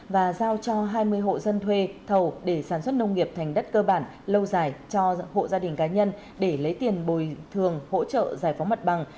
và giao cho hai mươi hộ dân thuê thầu để sản xuất nông nghiệp thành đất cơ bản lâu dài cho hộ gia đình cá nhân để lấy tiền bồi thường hỗ trợ giải phóng mặt bằng